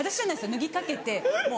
脱ぎかけてもう。